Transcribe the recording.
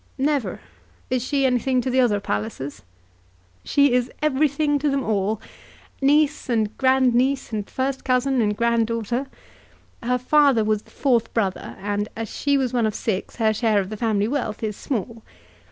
"Never. Is she anything to the other Pallisers?" "She is everything to them all; niece and grand niece, and first cousin and grand daughter. Her father was the fourth brother, and as she was one of six her share of the family wealth is small.